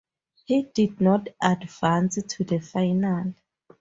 He did not advance to the final.